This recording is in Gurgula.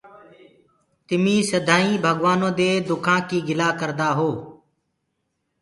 تمي سڌئينٚ ڀگوآنو دي دُکآ ڪي گِلآ ڪردآ هو۔